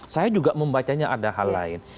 saya juga membacanya ada hal lain